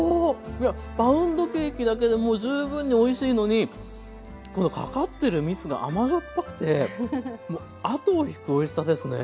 いやパウンドケーキだけでも十分においしいのにこのかかってるみつが甘塩っぱくてもう後を引くおいしさですね。